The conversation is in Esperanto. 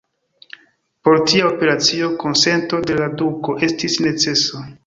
Por tia operacio, konsento de la duko estis necesa.